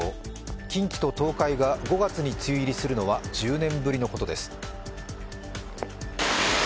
近畿と東海が５月に梅雨入りするのは１０年ぶりのことです。